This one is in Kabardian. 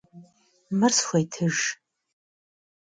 Мыр схуетыж!